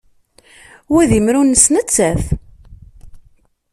Wa d imru-nnes nettat.